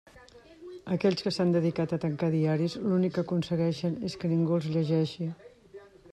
Aquells que s'han dedicat a tancar diaris l'únic que aconsegueixen és que ningú els llegeixi.